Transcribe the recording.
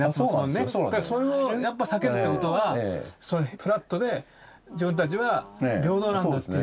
だからそれをやっぱ避けるってことはフラットで自分たちは平等なんだっていう。